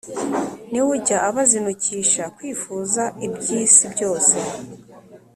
ni w' ujya abazinukisha kwifuza i by'isi byose,